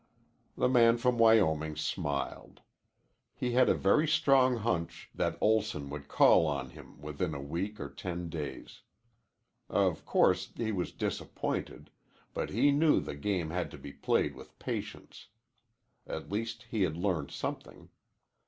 The man from Wyoming smiled. He had a very strong hunch that Olson would call on him within a week or ten days. Of course he was disappointed, but he knew the game had to be played with patience. At least he had learned something.